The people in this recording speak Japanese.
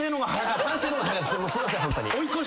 すいませんホントに。